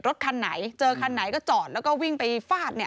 รถคันไหนเจอคันไหนก็จอดแล้วก็วิ่งไปฟาดเนี่ย